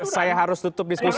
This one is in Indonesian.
saya harus tutup diskusinya